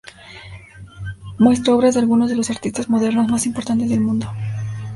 Muestra obras de algunos de los artistas modernos más importantes del mundo.